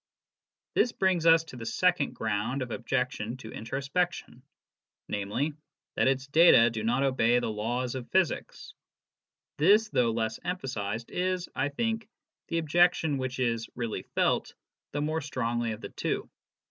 This brings us to the second ground of objection to intro spection, namely, that its data do not obey the laws of physics. This, though less emphasised, is, I think, the objection which is re.ally felt the more strongly of the two.